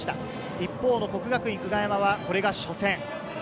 一方の國學院久我山は、これが初戦。